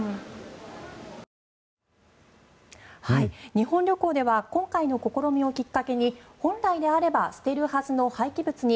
日本旅行では今回の試みをきっかけに本来であれば捨てるはずの廃棄物に